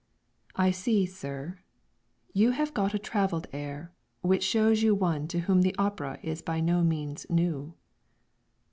"I see, Sir you Have got a travell'd air, which shows you one To whom the opera is by no means new."